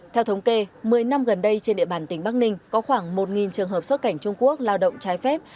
theo thống kê một mươi năm gần đây trên địa bàn tỉnh bắc ninh có khoảng một trường hợp xuất cảnh trung quốc lao động trái phép